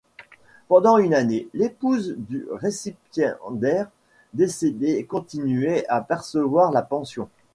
Pendant une année, l'épouse du récipiendaire décédé continuait à percevoir la pension.